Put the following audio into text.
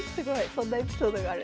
そんなエピソードがあるんですね。